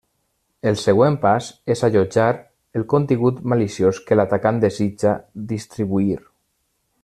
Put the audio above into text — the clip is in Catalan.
El següent pas és allotjar el contingut maliciós que l'atacant desitja distribuir.